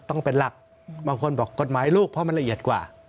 ต้องเป็นหลักบางคนบอกกฎหมายลูกเพราะมันละเอียดกว่า